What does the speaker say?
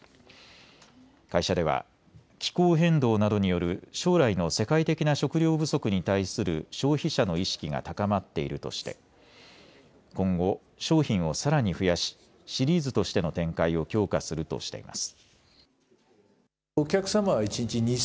会社では気候変動などによる将来の世界的な食料不足に対する消費者の意識が高まっているとして今後、商品をさらに増やしシリーズとしての展開を強化するとしています。